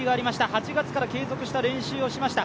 ８月から継続した練習をしました。